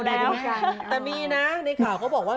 แต่มีนะในข่าวเขาบอกว่า